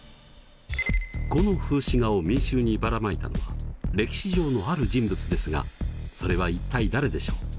この風刺画を民衆にばらまいたのは歴史上のある人物ですがそれは一体誰でしょう？